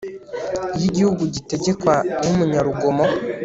iyo igihugu gitegekwa n'umunyarugomo